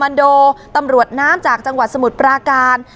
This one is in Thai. แล้วก็ไปซ่อนไว้ในคานหลังคาของโรงรถอีกทีนึง